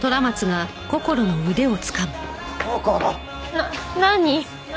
な何？